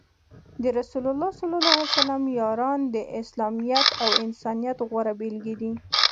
د رسول الله ص یاران د اسلامیت او انسانیت غوره بیلګې دي.